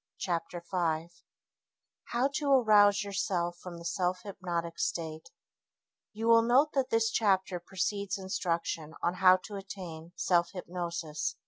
Chapter 5 How to Arouse Yourself from the Self Hypnotic State You will note that this chapter precedes instruction on how to attain self hypnosis.